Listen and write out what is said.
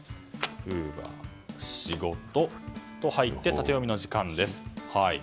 ウーバーの「ウ」仕事の「シ」となってタテヨミの時間です。